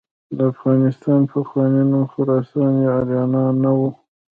د افغانستان پخوانی نوم خراسان یا آریانا نه و.